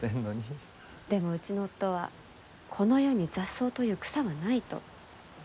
でもうちの夫は「この世に雑草という草はない」と。